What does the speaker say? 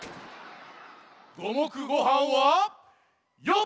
ごもくごはんはよっ！